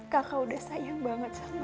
kakak udah sayang banget sama